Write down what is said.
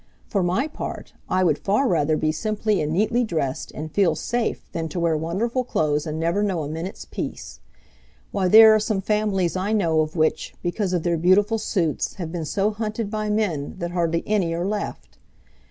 For my part I would far rather be simply and neatly dressed and feel safe than to wear wonderful clothes and never know a minute's peace. Why, there are some families I know of which, because of their beautiful suits, have been so hunted by men that hardly any are left.